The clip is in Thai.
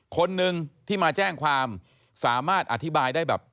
คนหนึ่งที่มาแจ้งความสามารถอธิบายได้แบบ